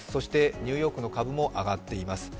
ニューヨークの株も上がっています。